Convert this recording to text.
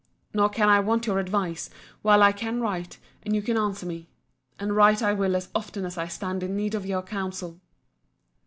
Nor can I want your advice, while I can write, and you can answer me. And write I will as often as I stand in need of your counsel.